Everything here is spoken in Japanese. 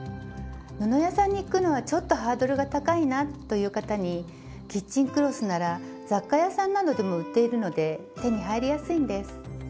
布屋さんに行くのはちょっとハードルが高いなという方にキッチンクロスなら雑貨屋さんなどでも売っているので手に入りやすいんです。